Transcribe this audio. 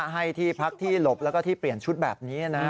ให้ที่พักที่หลบแล้วก็ที่เปลี่ยนชุดแบบนี้นะ